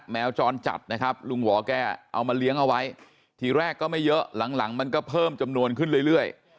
แมวจรจัดนะครับลุงหวอแกเอามาเลี้ยงเอาไว้ทีแรกก็ไม่เยอะหลังมันก็เพิ่มจำนวนขึ้นเรื่อย